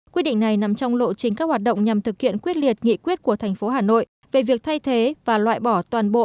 quyết định này nằm trong lộ chính các hoạt động nhằm thực hiện quyết liệt nghị quyết của thành phố hà nội về việc thay thế và loại bỏ toàn bộ